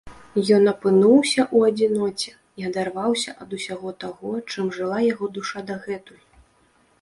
Ён апынуўся ў адзіноце і адарваўся ад усяго таго, чым жыла яго душа дагэтуль.